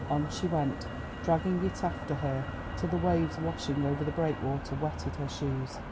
On she went, dragging it after her, till the waves washing over the breakwater wetted her shoes.